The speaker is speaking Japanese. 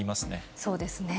そうですね。